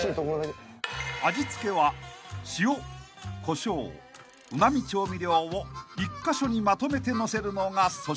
［味付けは塩こしょううま味調味料を１カ所にまとめてのせるのが粗品流］